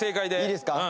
いいですか？